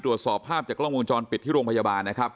ตรวจสอบภาพจากกล้องวงจรปิดที่โรงพยาบาลนะครับ